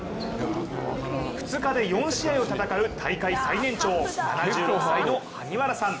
２日で４試合を戦う大会最年長、７６歳の萩原さん。